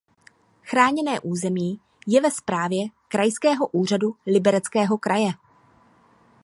Chráněné území je ve správě Krajského úřadu Libereckého kraje.